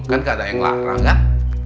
kan gak ada yang ngelarang kan